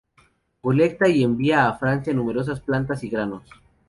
Colecta y envía a Francia numerosas plantas y granos.